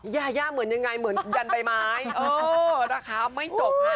ยายาเหมือนยันต์ใบไม้